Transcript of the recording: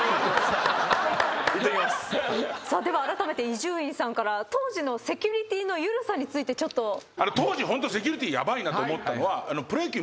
ではあらためて伊集院さんから当時のセキュリティの緩さについて。と思ったのは。